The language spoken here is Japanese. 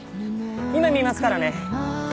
今診ますからね。